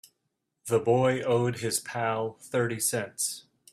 The boy owed his pal thirty cents.